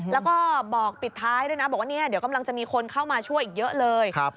แล้วก็บอกปิดท้ายด้วยนะบอกว่าเนี่ยเดี๋ยวกำลังจะมีคนเข้ามาช่วยอีกเยอะเลย